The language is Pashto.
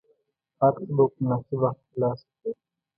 هر څه به په مناسب وخت کې ترلاسه کړې.